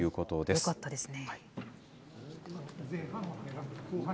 よかったですね。